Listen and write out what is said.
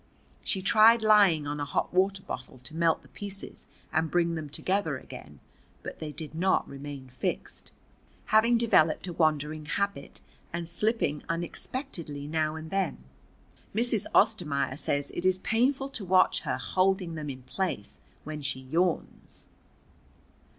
She tried lying on a hot water bottle to melt the pieces and bring them together again, but they did not remain fixed, having developed a wandering habit and slipping unexpectedly now and then. Mrs. Ostermaier says it is painful to watch her holding them in place when she yawns.